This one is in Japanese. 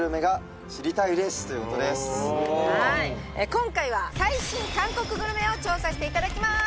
今回は最新韓国グルメを調査していただきます